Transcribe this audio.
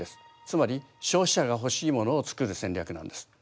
つまり消費者が欲しいものを作る戦略なんです。